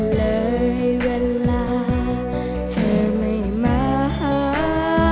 เลยเวลาเธอไม่มาหา